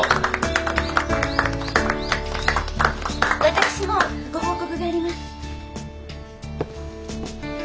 私もご報告があります。